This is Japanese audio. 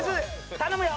頼むよ！